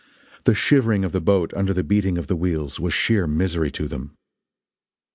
The shivering of the boat under the beating of the wheels was sheer misery to them.